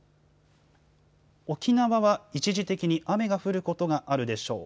沖縄は一時的に雨が降ることがあるでしょう。